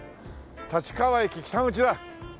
「立川駅北口」だ。